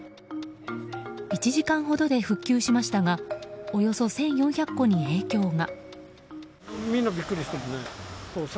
１時間ほどで復旧しましたがおよそ１４００戸に影響が。